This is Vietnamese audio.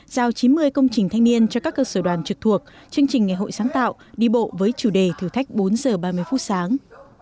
giao chín mươi công trình thanh niên cho các cơ sở đoàn trực thuộc chương trình ngày hội sáng tạo đi bộ với chủ đề thử thách bốn giờ ba mươi phút sáng